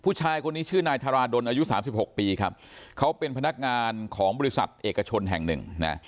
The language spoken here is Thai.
ผู้ชายคนนี้ชื่อนายธาราดลอายุสามสิบหกปีครับเขาเป็นพนักงานของบริษัทเอกชนแห่งหนึ่งนะ